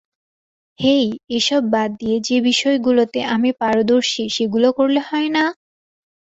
হেই, এসব বাদ দিয়ে যে বিষয়গুলোতে আমি পারদর্শী সেগুলো করলে হয় না?